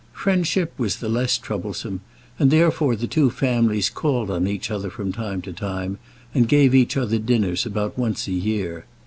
Friendship was the less troublesome, and therefore the two families called on each other from time to time, and gave each other dinners about once a year.